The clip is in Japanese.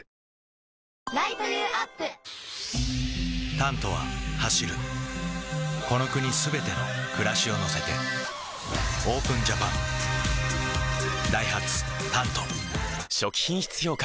「タント」は走るこの国すべての暮らしを乗せてＯＰＥＮＪＡＰＡＮダイハツ「タント」初期品質評価